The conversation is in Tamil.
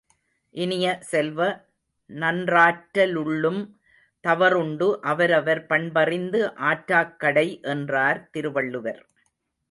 இனிய செல்வ, நன்றாற்ற லுள்ளும் தவறுண்டு அவரவர் பண்பறிந்து ஆற்றாக் கடை என்றார் திருவள்ளுவர்.